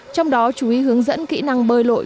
trong đó chú ý hướng dẫn kỹ năng bơi lội